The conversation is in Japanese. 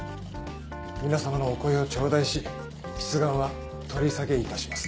皆さまのお声を頂戴し出願は取り下げいたします。